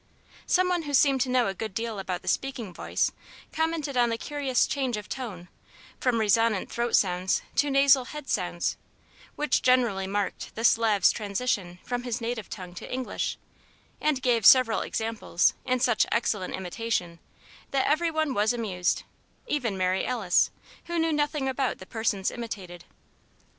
Some one who seemed to know a good deal about the speaking voice, commented on the curious change of tone, from resonant throat sounds to nasal head sounds, which generally marked the Slav's transition from his native tongue to English; and gave several examples in such excellent imitation that every one was amused, even Mary Alice, who knew nothing about the persons imitated.